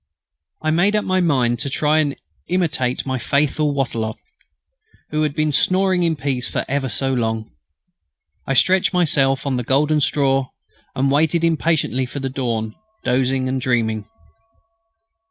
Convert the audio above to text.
I made up my mind to try to imitate my faithful Wattrelot, who had been snoring in peace for ever so long. I stretched myself on the golden straw and waited impatiently for the dawn, dozing and dreaming.